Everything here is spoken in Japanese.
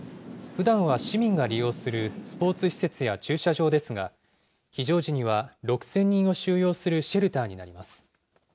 ふだんは市民が利用するスポーツ施設や駐車場ですが、非常時には６０００人を収容するシェルターになります。